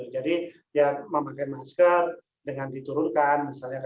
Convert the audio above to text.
jadi memakai masker dengan diturunkan